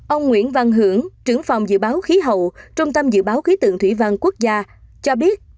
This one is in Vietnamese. ông nguyễn văn hưởng trưởng phòng dự báo khí hậu trung tâm dự báo khí tượng thủy văn quốc gia cho biết